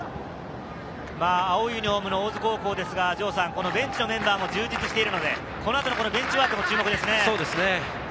青いユニホームの大津高校ですが、ベンチのメンバーも充実しているので、この後のベンチワークも注目ですね。